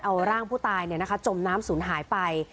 เอาร่างผู้ตายจมน้ำศูนย์หายไป